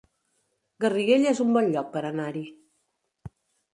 Garriguella es un bon lloc per anar-hi